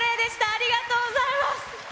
ありがとうございます。